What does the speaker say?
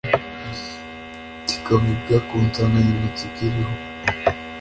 kikavuga ku nsanganyamatsiko iriho